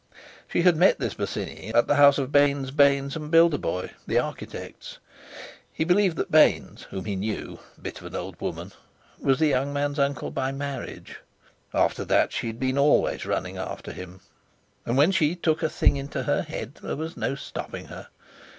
She had met this Bosinney at the house of Baynes, Baynes and Bildeboy, the architects. He believed that Baynes, whom he knew—a bit of an old woman—was the young man's uncle by marriage. After that she'd been always running after him; and when she took a thing into her head there was no stopping her.